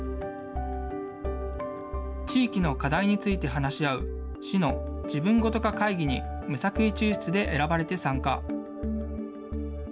地域の課題について話し合う、市の自分ごと化会議に無作為抽出で選ばれて参加。